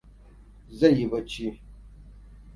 Zai yi bacci.